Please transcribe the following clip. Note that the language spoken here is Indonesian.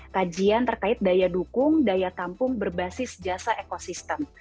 kajian terkait daya dukung daya tampung berbasis jasa ekosistem